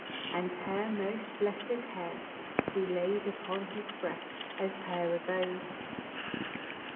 And her most blessèd head She laid upon his breast as her abode.